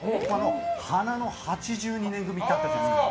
花の８２年組ってあったじゃないですか。